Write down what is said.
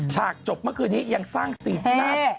ฉากจบเมื่อคืนนี้ยังสร้างซีนหน้า